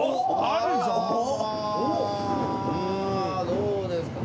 どうですか